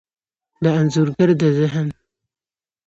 د انځورګر د ذهن،